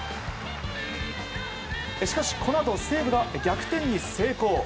しかし、このあと西武が逆転に成功。